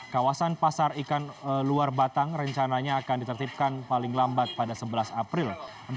kawasan pasar ikan luar batang rencananya akan ditertipkan paling lambat pada sebelas april